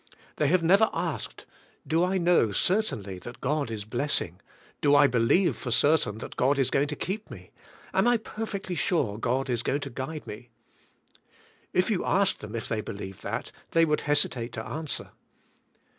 They have never asked, do I know, certainly, that God is blessing; do I believe, for certain, that God is going to keep me? Am I perfectly sure God is going to guide me? If you asked them if they be lieved that, they would hesitate to answer.